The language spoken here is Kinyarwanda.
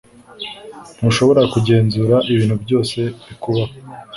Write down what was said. Ntushobora kugenzura ibintu byose bikubaho;